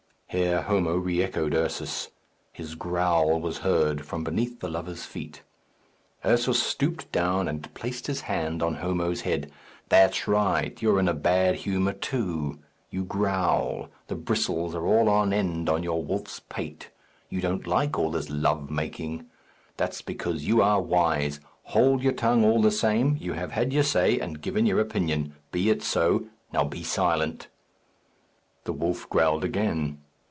Here Homo re echoed Ursus. His growl was heard from beneath the lovers' feet. Ursus stooped down, and placed his hand on Homo's head. "That's right; you're in bad humour, too. You growl. The bristles are all on end on your wolf's pate. You don't like all this love making. That's because you are wise. Hold your tongue, all the same. You have had your say and given your opinion; be it so. Now be silent." The wolf growled again.